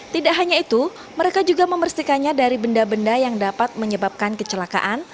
tidak hanya itu mereka juga membersihkannya dari benda benda yang dapat menyebabkan kecelakaan